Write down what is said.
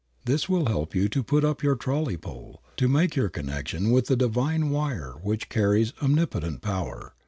This will help you to put up your trolley pole, to make your connection with the Divine wire which carries omnipotent power.